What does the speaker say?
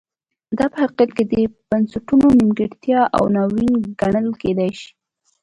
دا په حقیقت کې د بنسټونو نیمګړتیا او ناورین ګڼل کېدای شي.